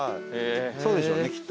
そうでしょうねきっと。